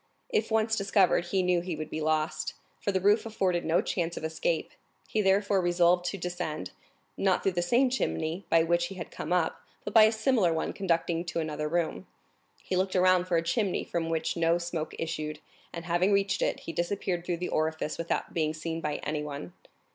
If once discovered, he knew he would be lost, for the roof afforded no chance of escape; he therefore resolved to descend, not through the same chimney by which he had come up, but by a similar one conducting to another room. He looked around for a chimney from which no smoke issued, and having reached it, he disappeared through the orifice without being seen by anyone.